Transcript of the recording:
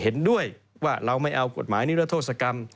เห็นด้วยว่าเราไม่เอากฎหมายนิรโทษกรรม